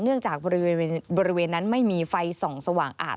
จากบริเวณนั้นไม่มีไฟส่องสว่างอาบ